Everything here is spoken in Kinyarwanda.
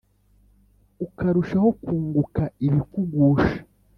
ukarushaho kunguka ibikugusha